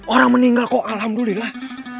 orang meninggal kok alhamdulillah